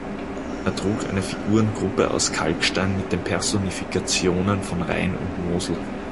Er trug eine Figurengruppe aus Kalkstein mit den Personifikationen von Rhein und Mosel.